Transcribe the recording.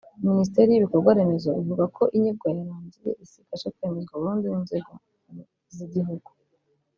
Minisiteri y’ibikorwa remezo ivuga ko inyigo yarangiye isigaje kwemezwa burundu n’inzego nkuru z’igihugu